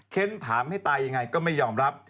เค้นถามให้ตายอย่างไรก็ไม่ยอมรับ